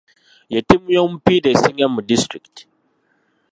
Ye ttiimu y'omupiira esinga mu disitulikiti.